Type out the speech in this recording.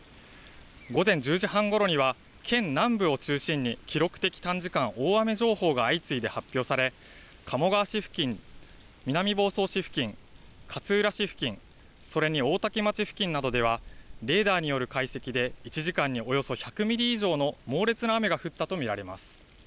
午前１０時半ごろには県南部を中心に記録的短時間大雨情報が相次いで発表され鴨川市付近、南房総市付近、勝浦市付近、それに大多喜町付近などではレーダーによる解析で１時間におよそ１００ミリ以上の猛烈な雨が降ったと見られます。